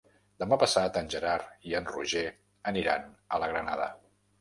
Demà passat en Gerard i en Roger aniran a la Granada.